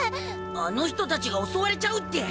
あの人たちが襲われちゃうって！？